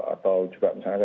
atau juga misalnya ketika